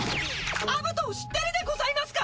アブトを知ってるでございますか！？